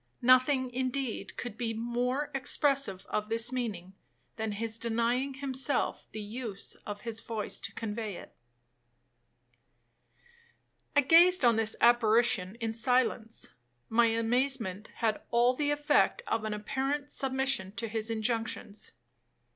Nothing, indeed, could be more expressive of this meaning, than his denying himself the use of his voice to convey it. I gazed on this apparition in silence,—my amazement had all the effect of an apparent submission to his injunctions.